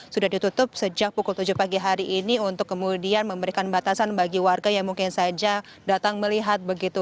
sudah ditutup sejak pukul tujuh pagi hari ini untuk kemudian memberikan batasan bagi warga yang mungkin saja datang melihat begitu